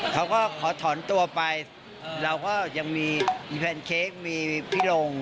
เขาก็ขอถอนตัวไปเราก็ยังมีแพนเค้กมีพี่ลง